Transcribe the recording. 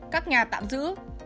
các nhà tạm giữ